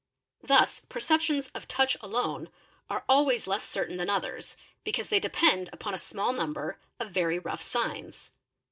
Thus ~ perceptions of touch alone are always less certain than others because they depend upon asmall number of very rough signs.